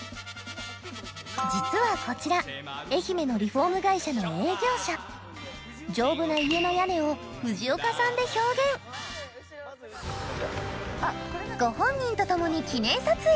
実はこちら愛媛のリフォーム会社の営業車丈夫な家の屋根を藤岡さんで表現あっこれなら。ご本人と共に記念撮影！